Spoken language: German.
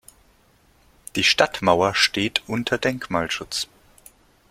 Die Stadtmauer steht unter Denkmalschutz.